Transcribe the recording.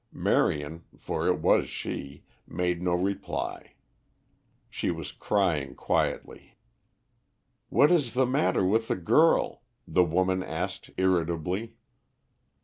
Marion, for it was she, made no reply. She was crying quietly. "What is the matter with the girl?" the woman asked irritably.